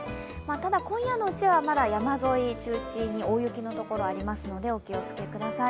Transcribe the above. ただ、今夜のうちはまだ山沿いを中心に大雪の所があるのでお気をつけください。